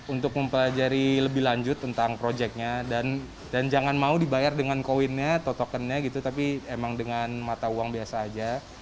untuk mempelajari lebih lanjut tentang proyeknya dan jangan mau dibayar dengan koinnya atau tokennya gitu tapi emang dengan mata uang biasa aja